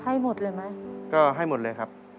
ให้หมดเลยไหมก็ให้หมดเลยครับ